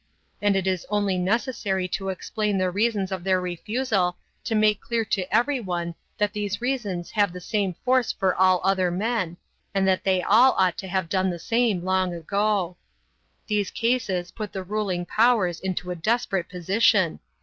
And it is only necessary to explain the reasons of their refusal to make clear to everyone that these reasons have the same force for all other men, and that they all ought to have done the same long ago. These cases put the ruling powers into a desperate position.